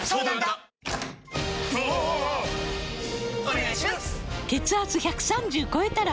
お願いします！！！